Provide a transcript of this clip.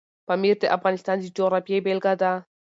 پامیر د افغانستان د جغرافیې بېلګه ده.